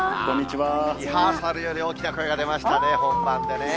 リハーサルより大きな声が出ましたね、本番でね。